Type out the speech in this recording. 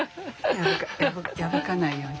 破かないように。